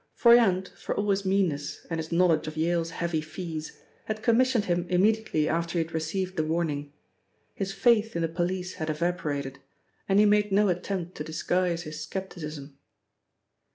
Froyant, for all his meanness and his knowledge of Yale's heavy fees, had commissioned him immediately after he had received the warning. His faith in the police had evaporated, and he made no attempt to disguise his scepticism.